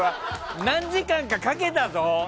何時間かかけたぞ！